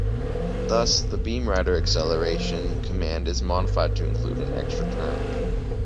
Thus, the beam rider acceleration command is modified to include an extra term.